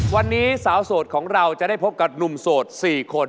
วันนี้สาวโสดของเราจะได้พบกับหนุ่มโสด๔คน